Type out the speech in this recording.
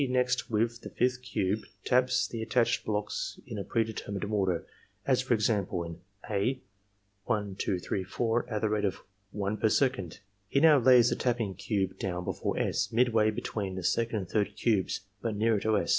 next with the fifth cube taps the attached blocks in a predetermined order, as, for example, in (a) 1 — 2 — 3 — 4, at the rate of one per second. He now lays the tapping cube down before S., midway between the second and third cubes, but nearer to S.